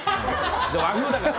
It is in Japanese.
でも和風だから。